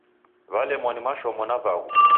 W'alemwa ni mashomo na vaghu.